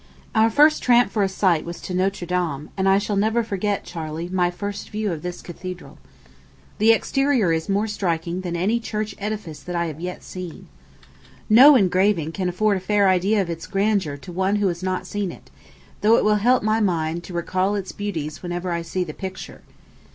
Our first tramp for a sight was to Notre Dame; and I shall never forget, Charley, my first view of this cathedral. The exterior is more striking than any church edifice that I have yet seen. No engraving can afford a fair idea of its grandeur to one who has not seen it, though it will help my mind, to recall its beauties whenever I see the picture.